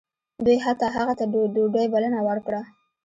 دوی حتی هغه ته د ډوډۍ بلنه ورکړه